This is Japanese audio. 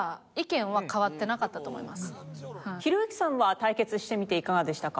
ひろゆきさんは対決してみていかがでしたか？